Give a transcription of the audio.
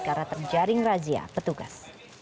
karena terjaring razia petugas